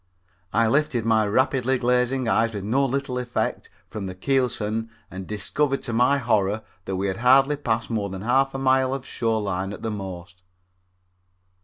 I lifted my rapidly glazing eyes with no little effort from the keelson and discovered to my horror that we had hardly passed more than half a mile of shore line at the most.